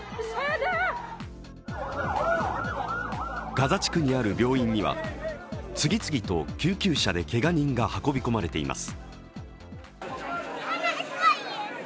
ガザ地区にある病院には、次々と救急車でけが人が運び込まれています。